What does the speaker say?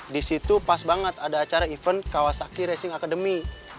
di situ pas banget ada acara event kawasaki racing academy